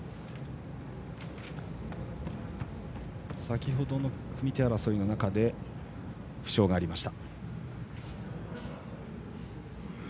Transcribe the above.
先ほどの組み手争いの中で負傷がありました。